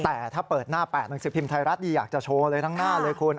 แต่ถ้าเปิดหน้า๘หนังสือพิมพ์ไทยรัฐนี่อยากจะโชว์เลยทั้งหน้าเลยคุณ